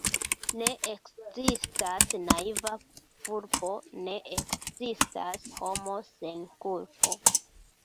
Ne ekzistas naiva vulpo, ne ekzistas homo sen kulpo.